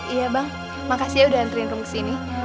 iya bang makasih ya udah anterin rum kesini